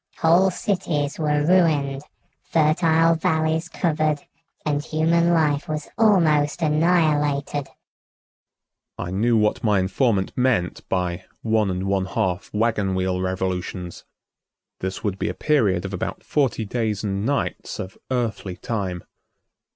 Whole cities were ruined, fertile valleys covered and human life was almost annihilated." I knew what my informant meant by "one and one half wagon wheel revolutions." This would be a period of about forty days and nights of earthly time.